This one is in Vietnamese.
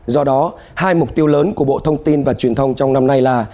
do đó hai mục tiêu lớn của bộ thông tin và truyền thông trong năm nay là